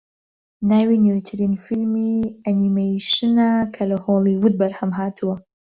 ناوی نوێترین فیلمی ئەنیمەیشنە کە لە هۆلیوود بەرهەمهاتووە